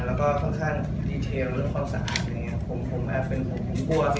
แล้วก็ค่อนข้างดีเทลเรื่องความสะอาด